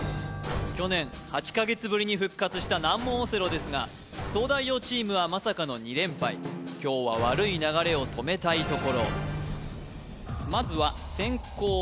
去年８カ月ぶりに復活した難問オセロですが東大王チームはまさかの２連敗今日は悪い流れを止めたいところまずは先攻